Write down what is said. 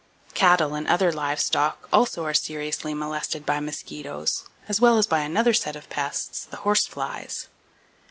Cattle and other live stock also are seriously molested by mosquitoes as well as by another set of pests, the horse flies.